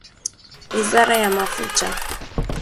Wizara ya Mafuta